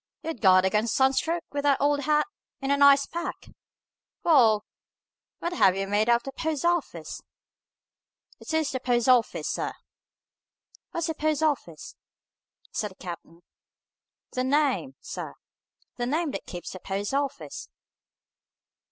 "You'd guard against a sun stroke, with that old hat, in an Ice Pack. Wa'al! What have you made out at the Post office?" "It is the Post office, sir." "What's the Post office?" said the captain. "The name, sir. The name keeps the Post office."